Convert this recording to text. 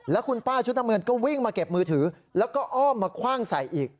แล้วคุณป้าชุดน้ำเงินก็วิ่งมาเก็บมือถือแล้วก็อ้อมมาคว่างใส่อีก